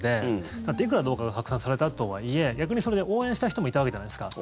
だっていくら動画が拡散されたとはいえ逆にそれで応援した人もいたわけじゃないですか。